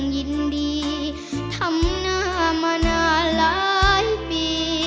ยินดีทำหน้ามานานหลายปี